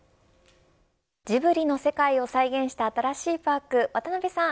ジブリの世界を再現した新しいパーク渡辺さん